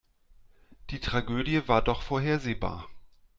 Die Tragödie war doch vorhersehbar.